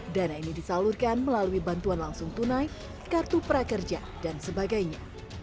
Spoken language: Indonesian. dana ini disalurkan melalui bantuan langsung tunai kartu prakerja dan sebagainya